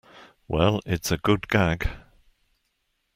Well, it's a good gag.